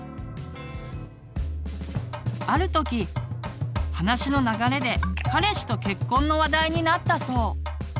ある時話の流れで彼氏と結婚の話題になったそう。